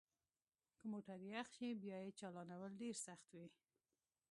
که موټر یخ شي بیا یې چالانول ډیر سخت وي